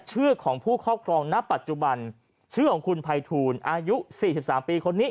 ชื่อของผู้ครอบครองณปัจจุบันชื่อของคุณภัยทูลอายุ๔๓ปีคนนี้